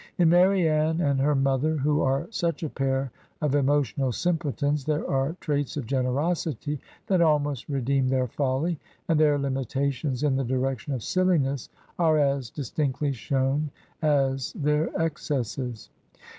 In Marianne and her mother, who are such a pair of emotional simpletons, there are traits of generosity that almost redeem their folly, and their limitations in the direction of silliness are as dis tinctly shown as their excesses.